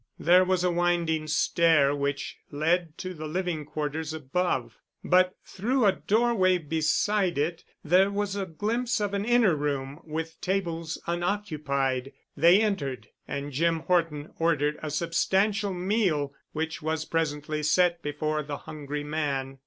There was a winding stair which led to the living quarters above, but through a doorway beside it, there was a glimpse of an inner room with tables unoccupied. They entered and Jim Horton ordered a substantial meal which was presently set before the hungry man.